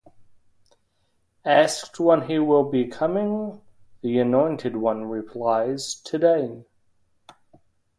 Asked when he will be coming, the Anointed One replies: Today!